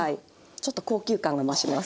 ちょっと高級感が増します。